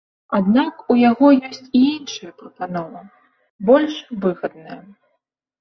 Аднак у яго ёсць і іншая прапанова, больш выгадная.